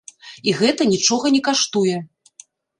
І гэта нічога не каштуе.